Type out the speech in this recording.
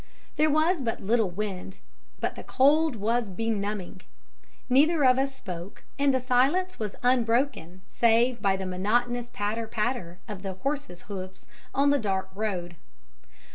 There was but little wind, but the cold was benumbing; neither of us spoke, and the silence was unbroken save by the monotonous patter, patter of the horse's hoofs on the hard road.